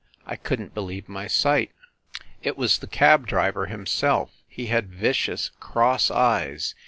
... I couldn t believe my sight. ... It was the cab driver himself ... he had vicious cross eyes.